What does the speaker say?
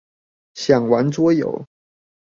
想玩桌遊！